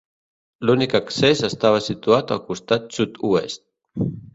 L'únic accés estava situat al costat sud-oest.